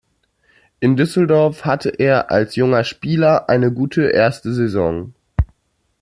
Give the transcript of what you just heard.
In Düsseldorf hatte er als junger Spieler eine gute erste Saison.